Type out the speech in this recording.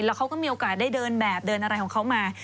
แล้วเขาก็มีโอกาสได้เดินแบบเดินอะไรของเขามา